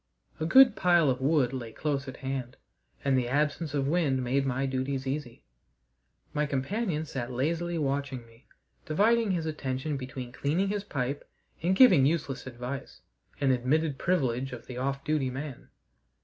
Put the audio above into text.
A good pile of wood lay close at hand, and the absence of wind made my duties easy. My companion sat lazily watching me, dividing his attentions between cleaning his pipe and giving useless advice an admitted privilege of the off duty man.